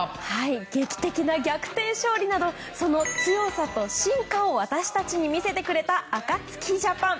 劇的な逆転勝利などその強さと進化を私たちに見せてくれたアカツキジャパン。